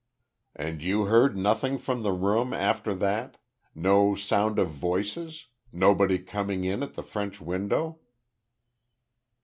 "And you heard nothing from the room after that? No sound of voices? Nobody coming in at the French window?"